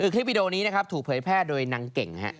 คลิปวิดีโอนี้ถูกเผยแพทย์โดยนางเก่งครับ